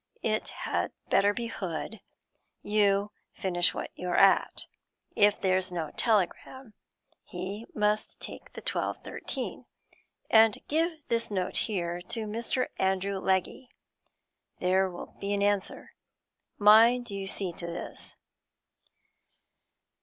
It had better be Hood; you finish what you're at. If there's no telegram, he must take the twelve thirteen, and give this note here to Mr. Andrew Legge; there'll be an answer. Mind you see to this.'